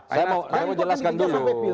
saya mau jelaskan dulu